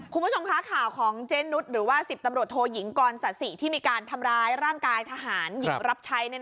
คุณผู้ชมคะข่าวของเจนุสหรือว่า๑๐ตำรวจโทยิงกรศาสิที่มีการทำร้ายร่างกายทหารหญิงรับใช้